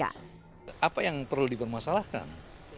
apa yang perlu dipermasalahkan